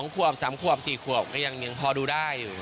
๒ขวบ๓ขวบ๔ขวบก็ยังพอดูได้อยู่